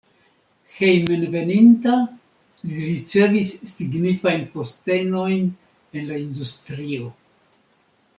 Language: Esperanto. Hejmenveninta li ricevis signifajn postenojn en la industrio.